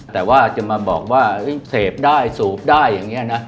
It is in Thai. แต่ว่าจะมาบอกว่าเสพได้สูบได้อย่างนี้นะ